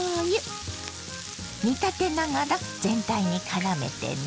煮立てながら全体にからめてね。